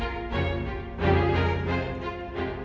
target belum terlihat bos